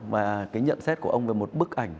và cái nhận xét của ông về một bức ảnh